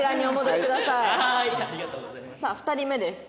さあ２人目です。